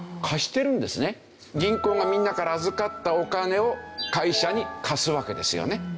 銀行がみんなから預かったお金を会社に貸すわけですよね。